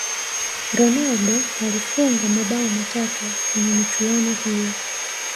ronaldo alifunga mabao matatu kwenye michuano hiyo